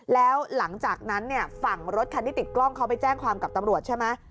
แล้วหลังจากนั้นเนี่ยฝั่งรถคันที่ติดกล้องเขาไปแจ้งความกับตำรวจใช่ไหม